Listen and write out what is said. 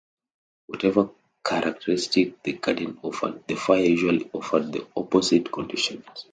Whatever characteristic the Garden offered, the Fire usually offered the opposite conditions.